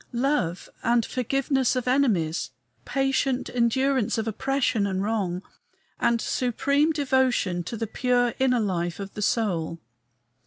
Love and forgiveness of enemies; patient endurance of oppression and wrong; and supreme devotion to the pure inner life of the soul.